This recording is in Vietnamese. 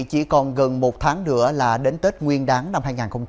chỉ còn gần một tháng nữa là đến tết nguyên đáng năm hai nghìn hai mươi